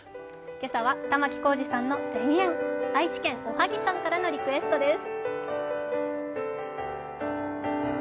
今朝は玉置浩二さんの「田園」、愛知県おはぎさんからのリクエストです。